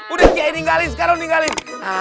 udah kiai tinggalin sekarang tinggalin